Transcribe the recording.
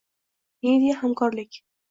Media hamkorlikng